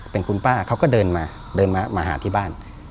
เป็นคุณป้าเขาก็เดินมาเดินมามาหาที่บ้าน